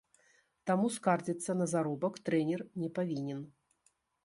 Таму скардзіцца на заробак трэнер не павінен.